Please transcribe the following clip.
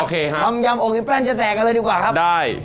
อ๋อโอเคฮะคำยำโอกิแปรนจะแตกกันเลยดีกว่าครับได้